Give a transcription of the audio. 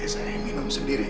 saya minum sendiri